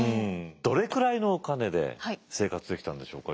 どれくらいのお金で生活できたんでしょうか？